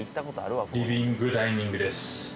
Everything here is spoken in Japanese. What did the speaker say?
リビングダイニングです。